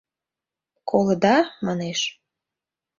Колыда? — манеш.